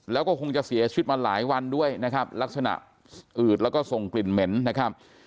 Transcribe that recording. แล้วก็คงจะเสียชีวิตมาหลายวันด้วยนะครับลักษณะอืดแล้วก็ส่งกลิ่นเหม็นนะครับ